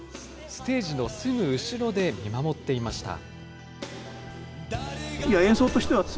ステージのすぐ後ろで見守っていました。